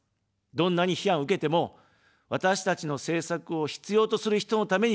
どんなに批判を受けても、私たちの政策を必要とする人のために行動する。